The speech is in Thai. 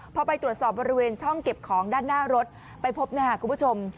พอไปตรวจสอบบริเวณช่องเก็บของด้านหน้ารถไปพบนะครับคุณผู้ชม